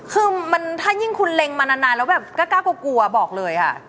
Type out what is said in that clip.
คือถ้ายิ่งคุณเล็งมานานแล้วแบบกล้ากลัวบอกเลยค่ะ